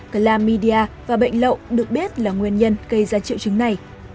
clamida và bệnh lậu được biết là nguyên nhân gây ra triệu chứng này